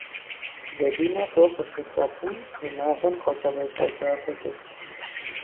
Залинэ къуэ къыщыхуэхъум, унагъуэр къэщӏэрэщӏэжа хуэдэт.